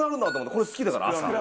これ好きだから朝。